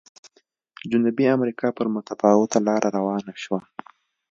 جنوبي امریکا پر متفاوته لار روانه شوه.